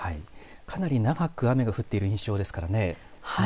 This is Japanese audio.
かなり長く雨が降っている印象ですからね。